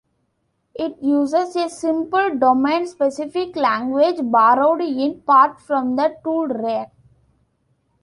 It uses a simple domain-specific language borrowed in part from the tool Rake.